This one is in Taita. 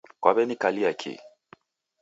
Kwawenilawia kii??